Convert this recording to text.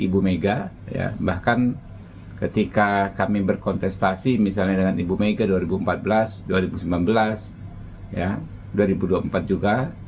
ibu mega bahkan ketika kami berkontestasi misalnya dengan ibu mega dua ribu empat belas dua ribu sembilan belas dua ribu dua puluh empat juga